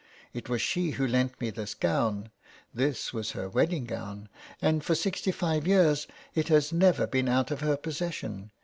It was she who lent me this gown. This was her 255 THE WEDDING GOWN. wedding gown, and for sixty five years it has never been out of her possession.